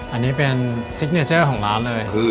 อันนี้เป็นซิกเนเจอร์ของร้านเลย